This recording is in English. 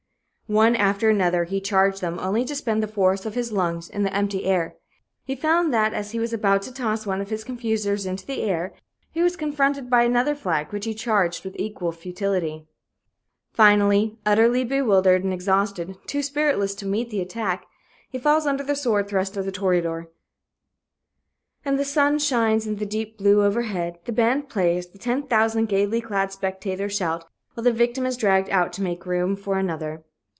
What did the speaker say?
One after another he charged them, only to spend the force of his lunges in the empty air. He found that as he was about to toss one of his confusers into the air, he was confronted by another flag, which he charged with equal futility. Finally, utterly bewildered and exhausted, too spiritless to meet the attack, he falls under the sword thrust of the toreador. And the sun shines in the deep blue overhead, the band plays, the ten thousand gayly clad spectators shout, while the victim is dragged out to make room for another.